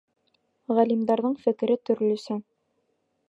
Ғалимдарҙың фекере төрлөсә.